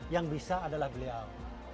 yang bisa adalah beliau